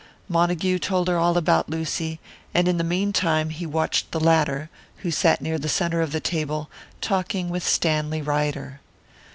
Montague told her all about Lucy; and, in the meantime, he watched the latter, who sat near the centre of the table, talking with Stanley Ryder.